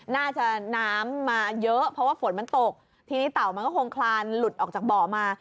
น้ำมาเยอะเพราะว่าฝนมันตกทีนี้เต่ามันก็คงคลานหลุดออกจากบ่อมา